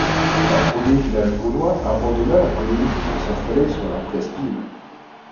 Un premier village gaulois abandonna la colline pour s'installer sur la presqu'île.